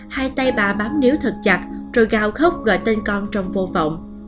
hai tay bà bám níu thật chặt rồi gào khóc gọi tên con trong vô vọng